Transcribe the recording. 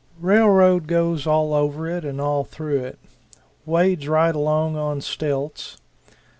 Railroad goes all over it and all through it wades right along on stilts.